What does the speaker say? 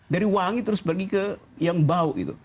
dari wangi terus pergi ke yang bau gitu